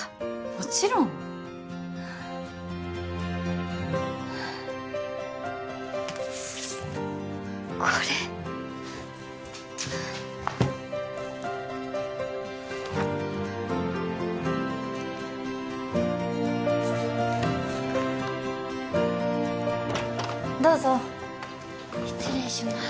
もちろんこれどうぞ失礼します